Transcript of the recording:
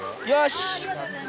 よし！